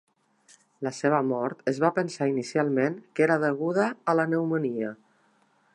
La seva mort es va pensar inicialment que era deguda a la pneumònia.